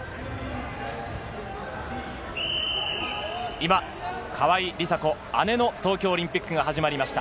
今、川井梨紗子、姉の東京オリンピックが始まりました。